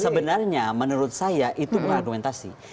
sebenarnya menurut saya itu bukan argumentasi